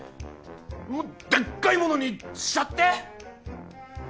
もうでっかいものにしちゃって！